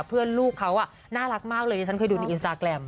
เพื่อนลูกเขาน่ารักมากเลยฉันเคยดูในอินสตาร์แกรม